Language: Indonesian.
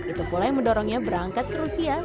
itu pula yang mendorongnya berangkat ke rusia